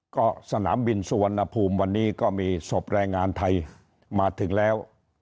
ก็สนามบินสุวรรณภูมิวันนี้ก็มีศพแรงงานไทยมาถึงแล้ว